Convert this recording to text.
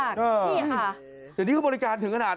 เดี๋ยวนี้เขาบริการถึงขนาด